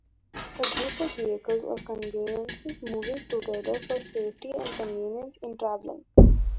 A group of vehicles or conveyances moving together for safety and convenience in traveling.